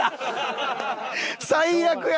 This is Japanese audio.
最悪や。